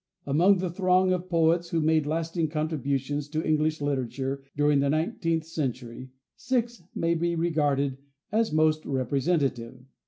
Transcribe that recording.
Among the throng of poets who made lasting contributions to English literature during the nineteenth century, six may be regarded as most representative.